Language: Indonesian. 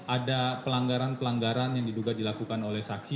ada pelanggaran pelanggaran yang diduga dilakukan oleh saksi